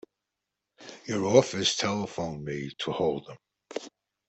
Your office telephoned me to hold him.